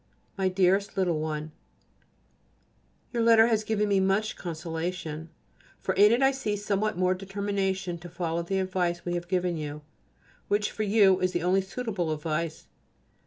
MY DEAREST LITTLE ONE, Your letter has given me much consolation, for in it I see somewhat more determination to follow the advice we have given you, which, for you, is the only suitable advice.